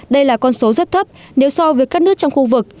đây là con số rất thấp nếu so với các nước trong khu vực